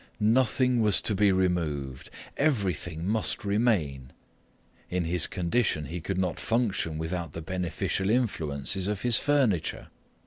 Nothing was to be removed—everything must remain. In his condition he could not function without the beneficial influences of his furniture.